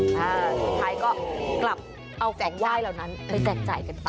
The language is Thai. คล้ายก็กลับเอาของว่ายเหล่านั้นไปแจ่งจ่ายกันบ้าง